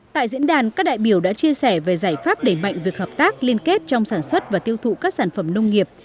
tại diễn đàn các đại biểu đã chia sẻ về giải pháp đẩy mạnh việc hợp tác liên kết trong sản xuất và tiêu thụ các sản phẩm nông nghiệp